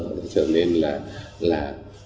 họ sẽ trở nên là